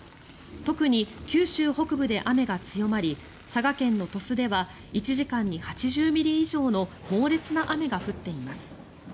特に九州北部で雨が強まり佐賀県の鳥栖では１時間に８０ミリ以上の猛烈な雨が降っています。